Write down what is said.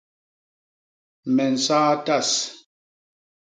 Me nsaa tas.